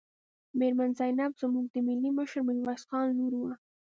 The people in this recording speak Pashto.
میرمن زینب زموږ د ملي مشر میرویس خان لور وه.